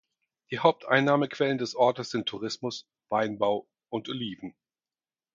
Die Haupteinnahmequellen des Ortes sind Tourismus, Weinbau und Oliven.